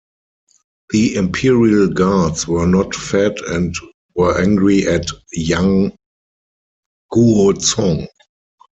The imperial guards were not fed and were angry at Yang Guozhong.